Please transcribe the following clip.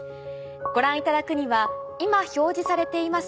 ご覧いただくには今表示されています